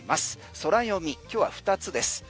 空読み、今日は２つです。